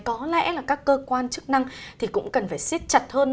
có lẽ là các cơ quan chức năng thì cũng cần phải xích chặt hơn